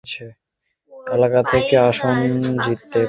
তবে নির্বাচনে তিনি কোনও নির্বাচনী এলাকা থেকেই আসন জিততে পারেননি।